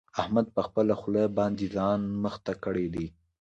احمد په خپله خوله باندې ځان مخته کړی دی.